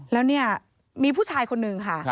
แล้วเนี่ยมีผู้ชายคนนึงค่ะ